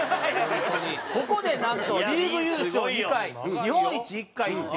ここでなんとリーグ優勝２回日本一１回っていう。